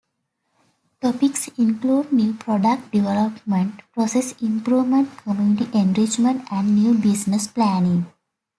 Topics include new product development, process improvement, community enrichment, and new business planning.